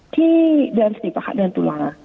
ที่เดือนสดิบอะค่ะเดือนตุลา